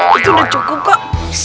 itu udah cukup kok